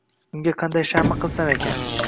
Unga qanday sha`ma qilsam ekan